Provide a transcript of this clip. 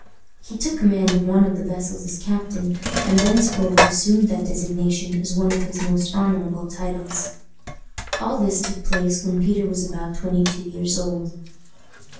He took command of one of the vessels as captain, and thenceforward assumed that designation as one of his most honorable titles. All this took place when Peter was about twenty two years old.